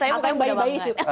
saya bukan yang bayi bayi sih